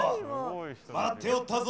待っておったぞ！